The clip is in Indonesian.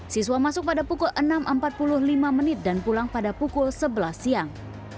siswa masuk pada pukul enam empat puluh lima menit dan pulang pada pukul sebelas siang